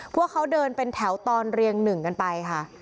พวกเขาเดินเป็นแถวตอนเรียงหนึ่งกันไปค่ะ